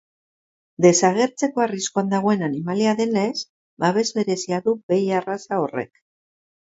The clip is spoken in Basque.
Desagertzeko arriskuan dagoen animalia denez, babes berezia du behi arraza horrek.